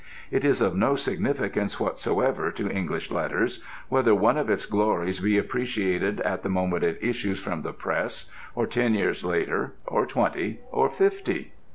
It is of no significance whatsoever to English Letters whether one of its glories be appreciated at the moment it issues from the press or ten years later, or twenty, or fifty.